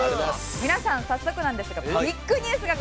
皆さん早速なんですがビッグニュースがございます！